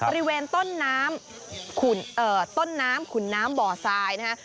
บริเวณต้นน้ำต้นน้ำขุนน้ำบ่อทรายนะฮะ